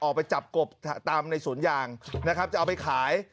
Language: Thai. ไปจับกบตามในสวนยางนะครับจะเอาไปขาย